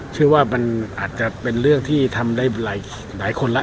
เชื่อว่ามันอาจจะเป็นเรื่องที่ทำได้หลายคนแล้ว